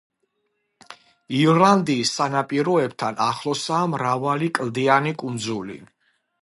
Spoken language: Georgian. ირლანდიის სანაპიროებთან ახლოსაა მრავალი კლდიანი კუნძული.